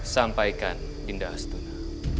sampaikan dinda astuna